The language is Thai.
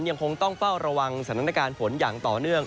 ยังคงต้องเฝ้าระวังสถานการณ์ฝนอย่างต่อเนื่อง